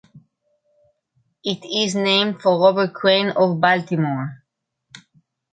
It is named for Robert Crain of Baltimore.